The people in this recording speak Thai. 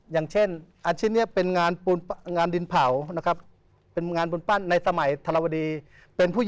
อย่างเช่นอาชีพนี้เป็นงานดินเผานะครับเป็นงานบุญปั้นในสมัยธรวดีเป็นผู้